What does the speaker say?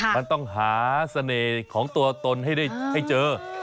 มันต้องหาเสน่ห์ของตัวตนให้เจอ